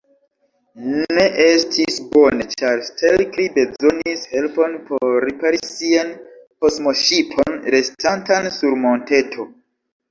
Ne estis bone, ĉar Stelkri bezonis helpon por ripari sian kosmoŝipon restantan sur monteto.